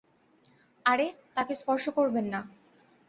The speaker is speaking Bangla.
আরে, তাকে স্পর্শ করবেন না!